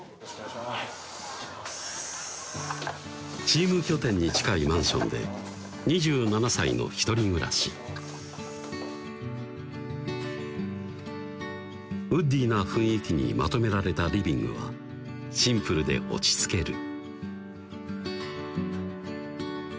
チーム拠点に近いマンションで２７歳の１人暮らしウッディーな雰囲気にまとめられたリビングはシンプルで落ち着ける